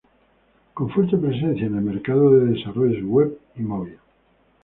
Con fuerte presencia en el mercado de desarrollos web y mobile.